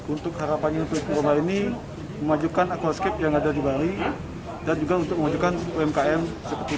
untuk harapannya ini memajukan akuascape yang ada di bali dan juga untuk memajukan umkm seperti